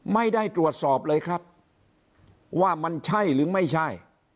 ไม่ได้ตรวจสอบเลยครับว่ามันใช่หรือไม่ใช่